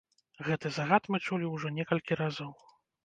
Гэты загад мы чулі ўжо некалькі разоў.